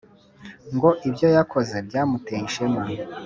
ngo ibyo yakoze byamuteye ishema